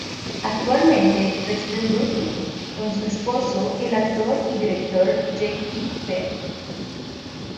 Actualmente reside en Brooklyn con su esposo, el actor y director J. T. Petty.